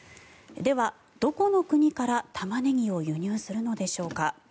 ではどこの国からタマネギを輸入するのでしょうか。